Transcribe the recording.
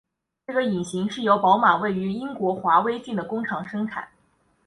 这个引擎是由宝马位于英国华威郡的工厂生产。